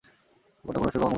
গোটা কোরান শরিফ আমার মুখস্থ।